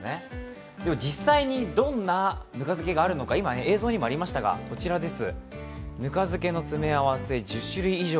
実際に、どんなぬか漬けがあるのか、今映像にもありましたが、こちらです。